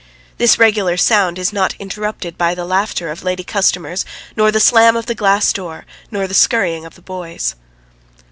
This regular sound is not interrupted by the laughter of lady customers nor the slam of the glass door, nor the scurrying of the boys.